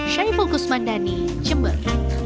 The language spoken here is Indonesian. syai fokus mandani jember